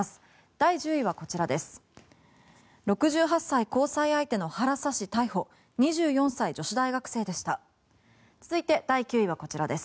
第１０位はこちらです。